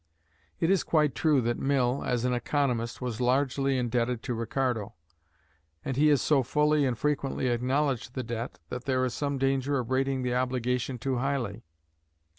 It is quite true that Mill, as an economist, was largely indebted to Ricardo; and he has so fully and frequently acknowledged the debt, that there is some danger of rating the obligation too highly.